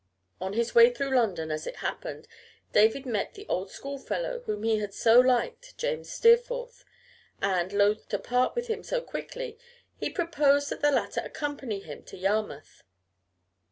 On his way through London, as it happened, David met the old school fellow whom he had so liked, James Steerforth, and, loath to part with him so quickly, he proposed that the latter accompany him to Yarmouth.